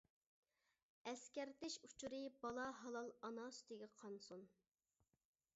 ئەسكەرتىش ئۇچۇرى-بالا ھالال ئانا سۈتىگە قانسۇن.